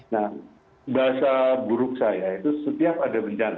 nah bahasa buruk saya itu setiap ada bencana